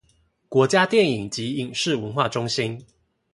國家電影及視聽文化中心